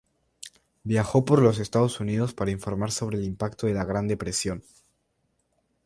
Viajó por los Estados Unidos para informar sobre el impacto de la Gran Depresión.